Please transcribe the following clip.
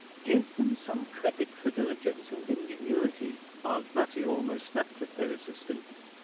"Give them some credit for diligence and ingenuity," Aunt Mattie almost snapped at her assistant.